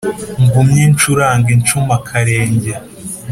Ngumye nshurange nshuma akarenge